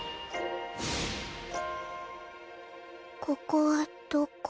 ここはどこ？